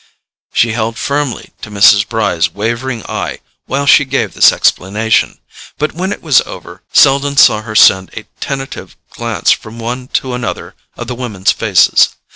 She held firmly to Mrs. Bry's wavering eye while she gave this explanation, but when it was over Selden saw her send a tentative glance from one to another of the women's faces.